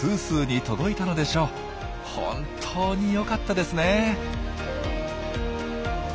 本当によかったですねえ。